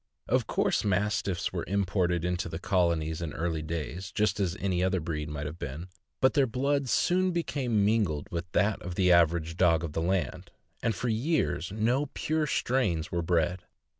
Of course Mastiffs were imported into the Colonies in early days, just as any other breed might have been, but their blood soon became mingled with that of the average dog of the land, and for years no pure strains were bred.